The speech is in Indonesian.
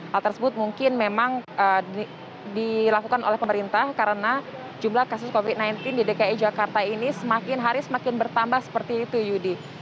hal tersebut mungkin memang dilakukan oleh pemerintah karena jumlah kasus covid sembilan belas di dki jakarta ini semakin hari semakin bertambah seperti itu yudi